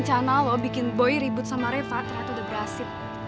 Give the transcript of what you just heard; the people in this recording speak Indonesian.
waaah rencana lo bikin boy ribut sama reva ternyata udah berhasil